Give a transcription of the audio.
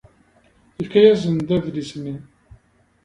Yefka-asen-d adlis-nni.